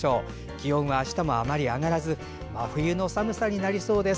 気温はあしたもあまり上がらず真冬の寒さとなりそうです。